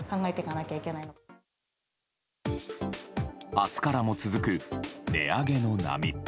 明日からも続く値上げの波。